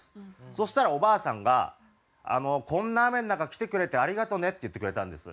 そしたらおばあさんが「こんな雨の中来てくれてありがとうね」って言ってくれたんです。